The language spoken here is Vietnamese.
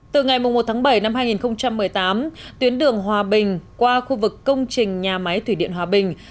từ ngày một tháng bảy năm hai nghìn một mươi tám tuyến đường hòa bình qua khu vực công trình nhà máy thủy điện hòa bình